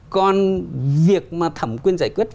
còn việc mà thẩm quyền giải quyết